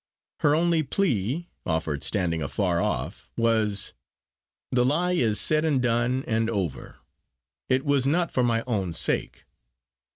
Her only plea, offered "standing afar off" was, "The lie is said and done and over it was not for my own sake.